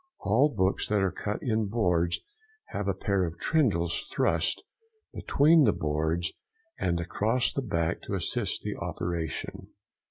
All books that are cut in boards have a pair of trindles thrust between the boards and across the back to assist the operation.